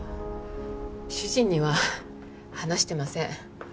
主人には話してません。